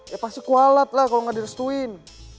ya pasti kualat lah kalau nggak direstuin